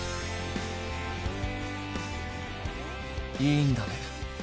いいんだね？